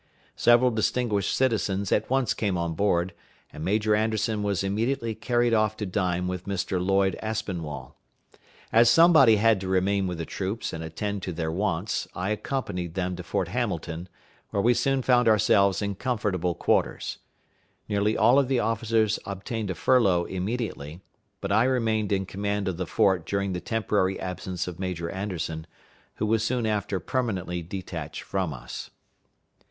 Several distinguished citizens at once came on board, and Major Anderson was immediately carried off to dine with Mr. Lloyd Aspinwall. As somebody had to remain with the troops and attend to their wants, I accompanied them to Fort Hamilton, where we soon found ourselves in comfortable quarters. Nearly all of the officers obtained a furlough immediately; but I remained in command of the fort during the temporary absence of Major Anderson, who was soon after permanently detached from us.